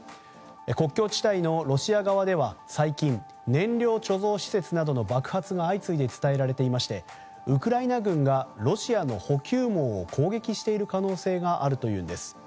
国境地帯のロシア側では最近燃料貯蔵施設などの爆発が相次いで伝えられていましてウクライナ軍がロシアの補給網を攻撃している可能性があるというんです。